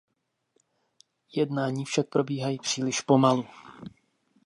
Jednání však probíhají příliš pomalu.